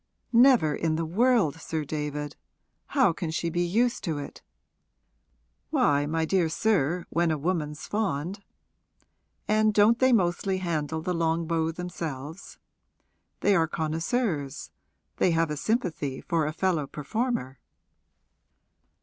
'Never in the world, Sir David. How can she be used to it?' 'Why, my dear sir, when a woman's fond! And don't they mostly handle the long bow themselves? They are connoisseurs they have a sympathy for a fellow performer.'